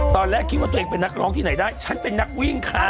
ตอนแรกคิดว่าตัวเองเป็นนักร้องที่ไหนได้ฉันเป็นนักวิ่งค่ะ